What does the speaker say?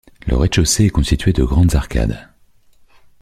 Le rez-de-chaussée est constitué de grandes arcades.